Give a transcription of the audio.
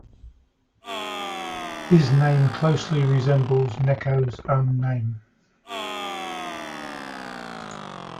His name closely resembles Necho's own name.